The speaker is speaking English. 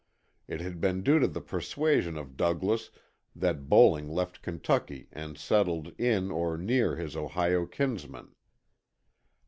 It had been due to the persuasion of Douglas that Bowling left Kentucky and settled in or near his Ohio kinsman.